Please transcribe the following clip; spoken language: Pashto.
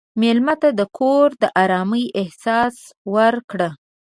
مېلمه ته د کور د ارامۍ احساس ورکړه.